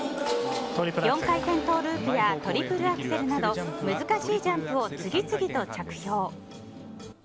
４回転トウループやトリプルアクセルなど難しいジャンプを次々と着氷。